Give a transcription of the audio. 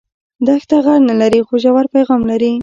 دښته غږ نه لري خو ژور پیغام لري.